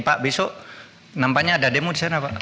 pak besok nampaknya ada demo disana pak